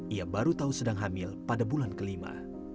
ia baru tahu sedang hamil pada bulan kelima